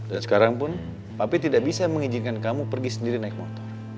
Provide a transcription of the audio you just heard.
dan sekarang pun papi tidak bisa mengizinkan kamu pergi sendiri naik motor